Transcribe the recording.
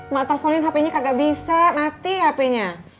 mak telfonin hpnya kagak bisa mati hpnya